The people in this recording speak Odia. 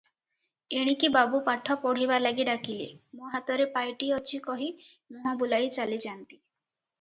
ଏଣିକି ବାବୁ ପାଠ ପଢ଼ିବାଲାଗି ଡାକିଲେ, "ମୋ ହାତରେ ପାଇଟି ଅଛି" କହି ମୁହଁ ବୁଲାଇ ଚାଲିଯାନ୍ତି ।